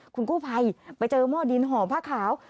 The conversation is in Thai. คุณกู้ภัยไปเจอหม้อดินห่อผ้าขาว